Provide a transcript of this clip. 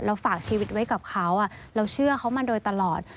ฝากชีวิตไว้กับเขาเราเชื่อเขามาโดยตลอด